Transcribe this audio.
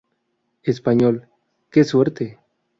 Español: ¡Que suerte!...